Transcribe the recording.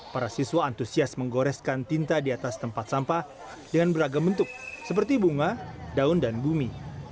para siswa antusias menggoreskan tinta di atas tempat sampah dengan beragam bentuk seperti bunga daun dan bumi